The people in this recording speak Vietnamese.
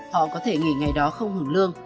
họ có thể nghỉ ngày đó không hưởng lương